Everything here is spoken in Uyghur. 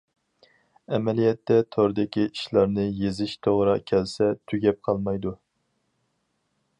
ئەمەلىيەتتە توردىكى ئىشلارنى يېزىش توغرا كەلسە تۈگەپ قالمايدۇ.